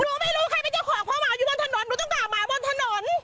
ไม่รู้ใครเป็นเจ้าของเพราะหมาอยู่บนถนนหนูต้องด่าหมาบนถนน